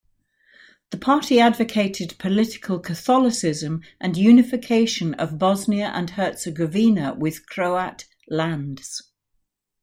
The party advocated political Catholicism and unification of Bosnia and Herzegovina with Croat lands.